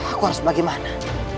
aku harus bagaimana